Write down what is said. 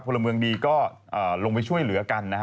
พลเมืองดีก็ลงไปช่วยเหลือกันนะฮะ